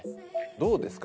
どうですか？